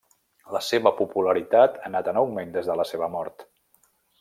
La seva popularitat ha anat en augment des de la seva mort.